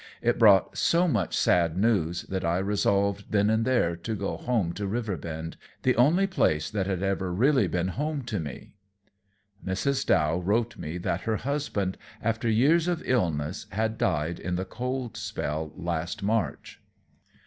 It brought so much sad news that I resolved then and there to go home to Riverbend, the only place that had ever really been home to me. Mrs. Dow wrote me that her husband, after years of illness, had died in the cold spell last March.